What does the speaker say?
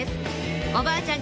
「おばあちゃん